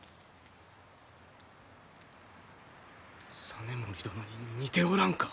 実盛殿に似ておらんか？